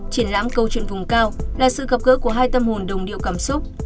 triển lãm câu chuyện vùng cao là sự gặp gỡ của hai tâm hồn đồng điệu cảm xúc